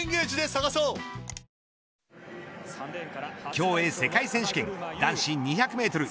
競泳世界選手権男子２００メートル